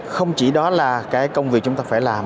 không chỉ đó là cái công việc chúng ta phải làm